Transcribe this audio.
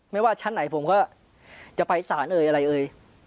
ว่าชั้นไหนผมก็จะไปสารเอ่ยอะไรเอ่ย